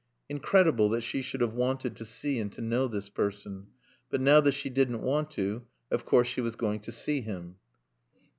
Incredible that she should have wanted to see and to know this person. But now, that she didn't want to, of course she was going to see him.